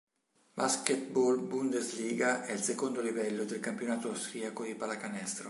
Basketball Bundesliga è il secondo livello del campionato austriaco di pallacanestro.